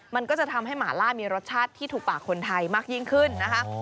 มันก็จะทำให้หมาล่ามีรสชาติที่ถูกปากคนไทยมากยิ่งขึ้นนะคะ